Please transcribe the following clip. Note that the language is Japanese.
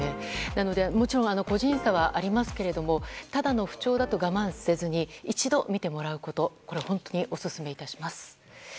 なのでもちろん個人差はありますがただの不調だと我慢せずに一度診てもらうことが本当にオススメします。